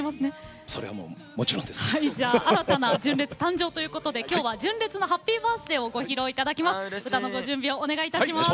新たな純烈誕生ということで今日は「純烈のハッピーバースデー」をご披露いただきます。